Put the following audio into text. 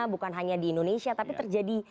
bukan hanya di indonesia tapi terjadi